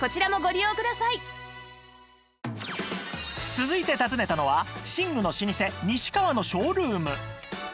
続いて訪ねたのは寝具の老舗西川のショールーム